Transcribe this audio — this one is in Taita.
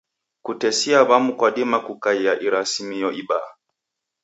Kutesia w'amu kwadima kukaia irasimio ibaa.